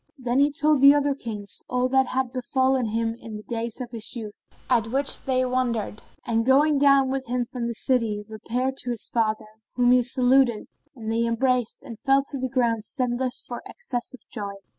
Then he told the other Kings all that had befallen him in the days of his youth, at which they wondered and, going down with him from the city, repaired to his father, whom he saluted, and they embraced and fell to the ground senseless for excess of joy.